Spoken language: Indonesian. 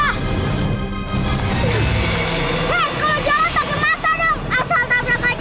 hey kalau jalan pakai mata dong